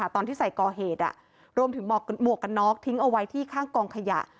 ตอนที่ใส่ก่อเหตุรวมถึงหมวกกันน็อกทิ้งเอาไว้ที่ข้างกองขยะ